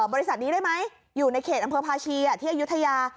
บริษัทนี้ได้ไหมอยู่ในเขตอำเภอภาชีที่อายุทยา